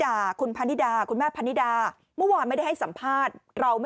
คดีของคุณบอสอยู่วิทยาคุณบอสอยู่วิทยาคุณบอสอยู่ความเร็วของรถเปลี่ยน